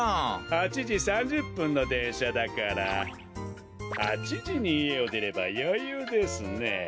８じ３０ぷんのでんしゃだから８じにいえをでればよゆうですね。